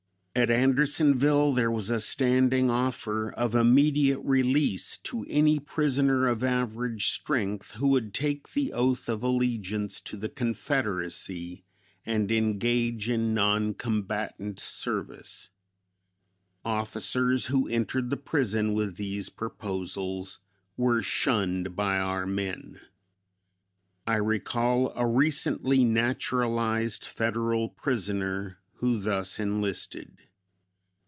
At Andersonville there was a standing offer of immediate release to any prisoner of average strength who would take the oath of allegiance to the Confederacy and engage in non combatant service. Officers who entered the prison with these proposals were shunned by our men. I recall a recently naturalized Federal prisoner who thus enlisted.